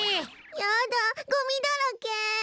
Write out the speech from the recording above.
やだゴミだらけ。